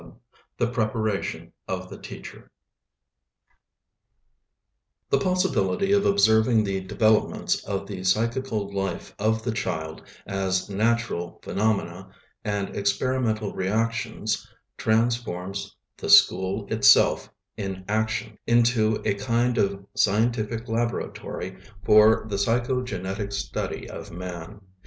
IV THE PREPARATION OF THE TEACHER The possibility of observing the developments of the psychical life of the child as natural phenomena and experimental reactions transforms the school itself in action into a kind of scientific laboratory for the psycho genetic study of man.